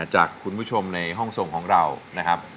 จากคุณผู้ชมในห้องส่งของเรานะครับ